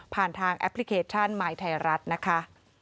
ทางแอปพลิเคชันมายไทยรัฐนะคะ